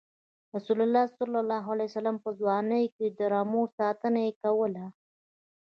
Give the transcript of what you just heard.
رسول الله ﷺ په ځوانۍ کې د رمو ساتنه یې کوله.